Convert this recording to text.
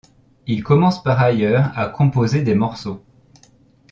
Il commence par ailleurs à composer des morceaux.